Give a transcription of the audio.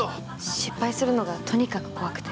失敗するのがとにかく怖くて。